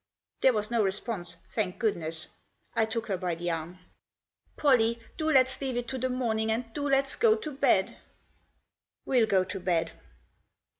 There was no response, thank goodness. I took her by the arm. " Pollie, do let's leave it to the morning, and do let's go to bed !" "We'll go to bed!"